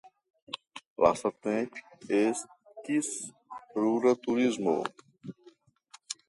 Lastatempe ekis rura turismo.